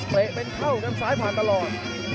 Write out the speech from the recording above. เป็นเข้าครับซ้ายผ่านตลอด